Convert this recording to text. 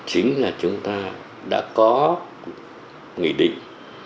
chính là chúng ta đã có nghị định